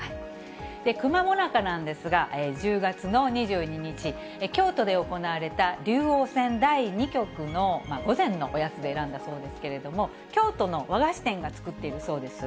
くま最中なんですが、１０月の２２日、京都で行われた竜王戦第２局の午前のおやつで選んだそうですけれども、京都の和菓子店が作っているそうです。